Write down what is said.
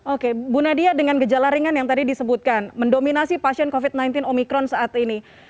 oke bu nadia dengan gejala ringan yang tadi disebutkan mendominasi pasien covid sembilan belas omikron saat ini